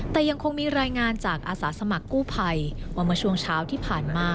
แต่ยังคงมีรายงานจากอาสาสมัครกู้ภัยว่าเมื่อช่วงเช้าที่ผ่านมา